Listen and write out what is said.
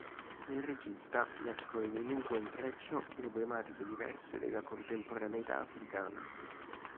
Il regista mescola in un unico intreccio problematiche diverse della contemporaneità africana.